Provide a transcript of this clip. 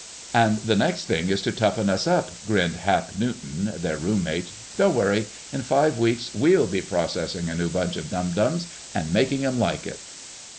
"And the next thing is to toughen us up," grinned Hap Newton, their roommate. "Don't worry—in five weeks we'll be processing a new bunch of dum dums, and making 'em like it!"